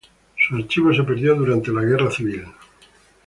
Su archivo se perdió durante la Guerra Civil.